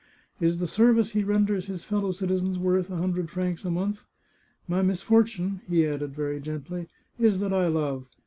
Is the service he renders his fellow citizens worth a hundred francs a month? — My misfor tune," he added very gently, " is that I love.